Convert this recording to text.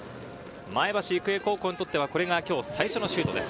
前橋育英高校にとってはこれが今日最初のシュートです。